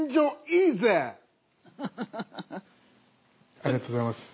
ありがとうございます。